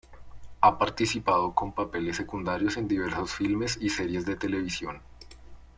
Ha participado con papeles secundarios en diversos filmes y series de televisión.